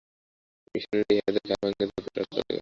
মিশনরীরা ইহাদের ঘাড় ভাঙিয়া যথেষ্ট অর্থ আদায় করে।